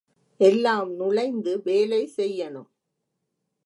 எல்லாம் நுழைந்து வேலை செய்யனும்.